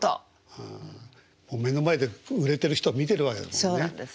もう目の前で売れてる人を見てるわけだもんね。